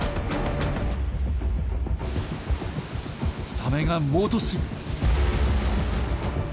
サメが猛突進！